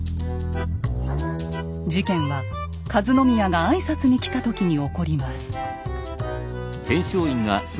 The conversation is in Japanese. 事件は和宮が挨拶に来た時に起こります。